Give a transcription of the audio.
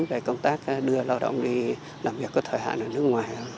về công tác đưa lao động đi làm việc có thời hạn ở nước ngoài